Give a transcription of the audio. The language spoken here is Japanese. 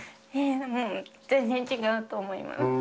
もう全然違うと思います。